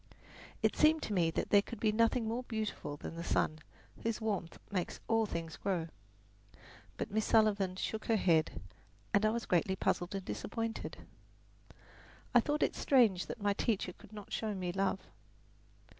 It seemed to me that there could be nothing more beautiful than the sun, whose warmth makes all things grow. But Miss Sullivan shook her head, and I was greatly puzzled and disappointed. I thought it strange that my teacher could not show me love.